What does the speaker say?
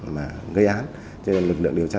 mà gây án cho nên lực lượng điều tra